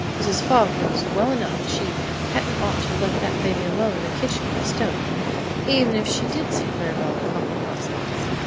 "Mrs. Fogg knows well enough she hadn't ought to have left that baby alone in the kitchen with the stove, even if she did see Clara Belle comin' across lots.